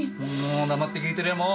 黙って聞いてりゃもう！